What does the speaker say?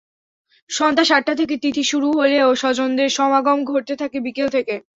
সন্ধ্যা সাতটা থেকে তিথি শুরু হলেও স্বজনদের সমাগম ঘটতে থাকে বিকেল থেকে।